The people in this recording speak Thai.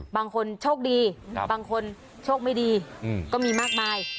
บางคนโชคดีบางคนโชคไม่ดีก็มีมากมาย